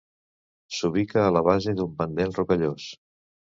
S'ubica a la base d'un pendent rocallós.